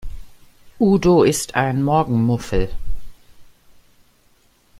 Udo ist ein Morgenmuffel.